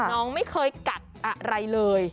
น้องไม่เคยกัดอะไรเลย